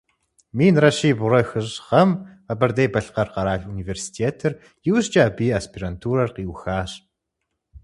Минрэ щибгъурэ хыщӏ гъэм Къэбэрдей-Балъкъэр къэрал университетыр, иужькӀэ абы и аспирантурэр къиухащ.